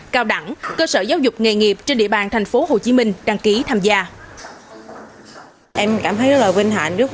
cao đẳng cơ sở giáo dục nghề nghiệp trên địa bàn thành phố hồ chí minh đăng ký tham gia